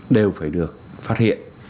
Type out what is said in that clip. đều phải được phát hiện